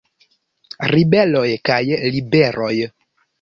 Ribeloj kaj Liberoj.